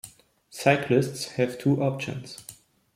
Cyclists have two options.